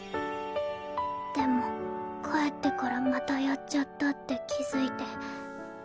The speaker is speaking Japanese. でも帰ってからまたやっちゃったって気付いて。